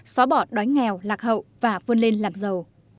xóa bỏ đói nghèo lạc hậu và vươn lên làm giàu